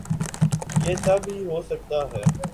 یہ تب ہی ہو سکتا ہے۔